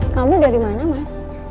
kamu dari mana mas